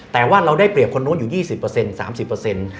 แต่ว่าเราได้เปรียบคนนู้นอยู่ยี่สิบเปอร์เซ็นต์สามสิบเปอร์เซ็นต์